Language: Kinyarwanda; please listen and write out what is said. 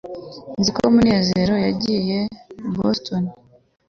nzi ko munezero yagiye i boston